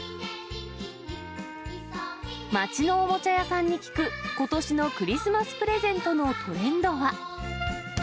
街のおもちゃ屋さんに聞く、ことしのクリスマスプレゼントのトレンドは。